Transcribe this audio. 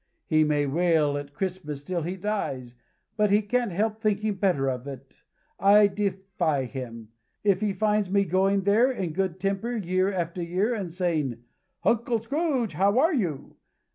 He may rail at Christmas till he dies, but he can't help thinking better of it I defy him if he finds me going there, in good temper, year after year, and saying, 'Uncle Scrooge, how are you?'